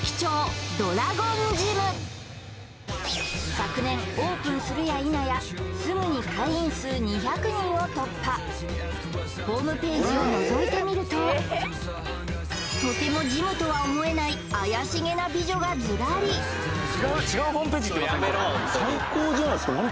昨年オープンするやいなやすぐに会員数２００人を突破ホームページをのぞいてみるととてもジムとは思えないあやしげな美女がズラリ最高じゃないですか何？